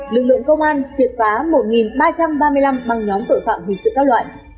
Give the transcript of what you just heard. lực lượng công an triệt phá một ba trăm ba mươi năm băng nhóm tội phạm hình sự các loại